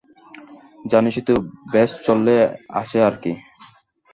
জানিসই তো, ব্যস চলতেই আছে আর কি।